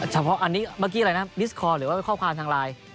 เฉพาะอันนี้เมื่อกี้อะไรนะมิสคอหรือว่าข้อความทางไลน์